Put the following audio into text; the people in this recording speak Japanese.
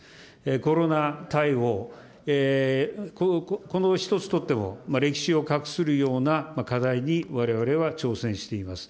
コロナ対応、この一つとっても、歴史をかくするような課題にわれわれは挑戦しています。